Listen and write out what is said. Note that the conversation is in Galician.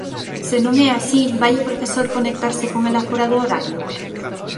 Se non é así vai o profesor conectarse con ela fóra do horario?